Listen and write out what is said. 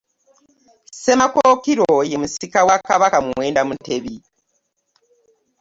SSemakokiro ye musika wa Kabaka Muwendo Mutebi.